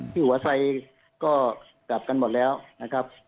ที่หัวไทยก็กลับกันหมดแล้วนะครับ